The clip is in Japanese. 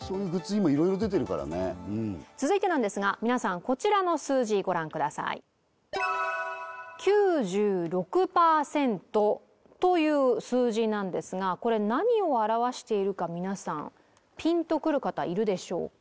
今色々出てるからね続いてなんですが皆さんこちらの数字ご覧くださいという数字なんですが皆さんピンとくる方いるでしょうか？